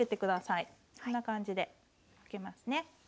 こんな感じでかけますね。